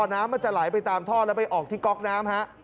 น้ำมันจะไหลไปตามท่อแล้วไปออกที่ก๊อกน้ำฮะ